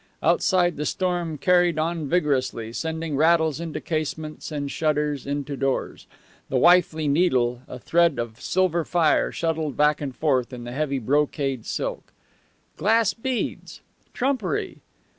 Outside the storm carried on vigorously, sending rattles into casements and shudders into doors. The wifely needle, a thread of silver fire, shuttled back and forth in the heavy brocade silk. Glass beads! Trumpery!